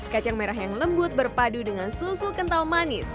kacang merah yang lembut berpadu dengan susu kental manis